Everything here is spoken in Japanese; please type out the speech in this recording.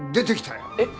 えっ！？